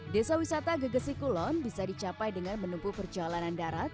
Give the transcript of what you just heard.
desa wisata gegesi kulon bisa dicapai dengan menempuh perjalanan darat